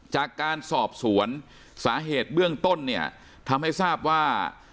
จากการสอบสวนสาเหตุเบื้องต้นเนี่ยทำให้ทราบว่า